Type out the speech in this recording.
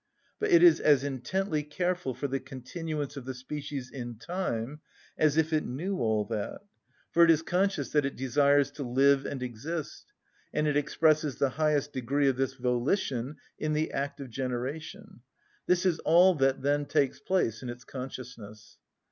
But it is as intently careful for the continuance of the species in time as if it knew all that. For it is conscious that it desires to live and exist, and it expresses the highest degree of this volition in the act of generation; this is all that then takes place in its consciousness.